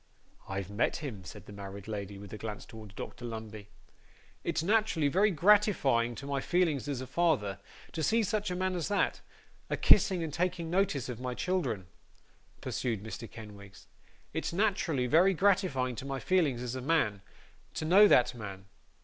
'I've met him,' said the married lady, with a glance towards Dr Lumbey. 'It's naterally very gratifying to my feelings as a father, to see such a man as that, a kissing and taking notice of my children,' pursued Mr Kenwigs. 'It's naterally very gratifying to my feelings as a man, to know that man.